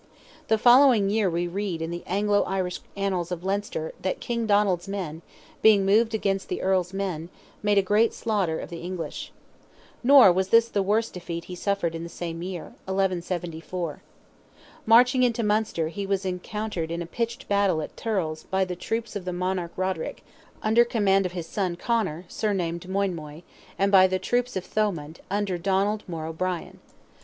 The following year we read in the Anglo Irish Annals of Leinster, that King Donald's men, being moved against the Earl's men, made a great slaughter of English. Nor was this the worst defeat he suffered in the same year—1174. Marching into Munster he was encountered in a pitched battle at Thurles by the troops of the monarch Roderick, under command of his son, Conor, surnamed Moinmoy, and by the troops of Thomond, under Donald More O'Brien.